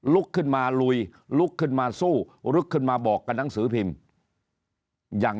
ลุกขึ้นมาลุยลุกขึ้นมาสู้ลุกขึ้นมาบอกกับหนังสือพิมพ์อย่าง